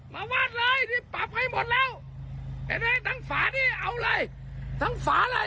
วาดเลยที่ปรับให้หมดแล้วเห็นไหมทั้งฝานี่เอาเลยทั้งฝาอะไร